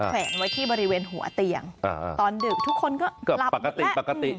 แขวนไว้ที่บริเวณหัวเตียงตอนดึกทุกคนก็กลับปกติปกติ